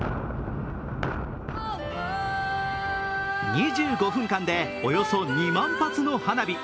２５分間でおよそ２万発の花火。